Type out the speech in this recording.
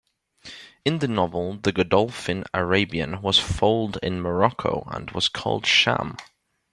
In the novel, the Godolphin Arabian was foaled in Morocco and was called Sham.